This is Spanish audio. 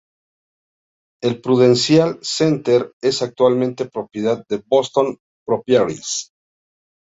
El Prudential Center es actualmente propiedad de Boston Properties.